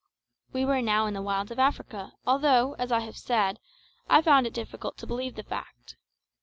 We were now in the wilds of Africa, although, as I have said, I found it difficult to believe the fact.